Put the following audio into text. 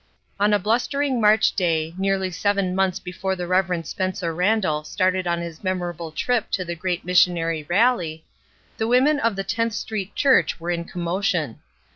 On a blustering March day, nearly seven months before the Rev. Spencer Randall started on his memorable trip to the great missionary rally, the women of the 10th Street Church were in commotion.